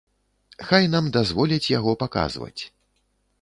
Хай нам дазволяць яго паказваць.